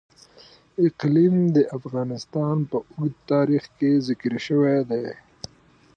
اقلیم د افغانستان په اوږده تاریخ کې ذکر شوی دی.